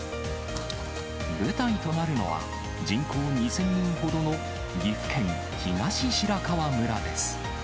舞台となるのは、人口２０００人ほどの岐阜県東白川村です。